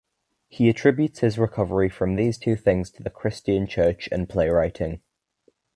He attributes his recovery from these two things to the Christian church and playwriting.